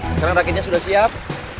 sekarang rakitnya sudah siap